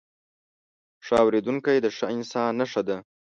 ښه اورېدونکی، د ښه انسان نښه ده.